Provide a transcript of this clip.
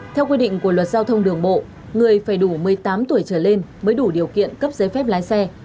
theo quy định của luật giao thông đường bộ người phải đủ một mươi tám tuổi trở lên mới đủ điều kiện cấp giấy phép lái xe